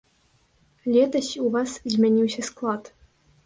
Летась у вас змяніўся склад.